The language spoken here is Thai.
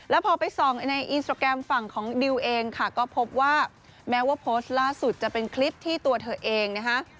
แล้วพอไปส่องในอินสตราแกรมฝั่งของดิวเองค่ะก็พบว่าแม้ว่าโพสต์ล่าสุดจะเป็นคลิปที่ตัวเธอเองนะฮะ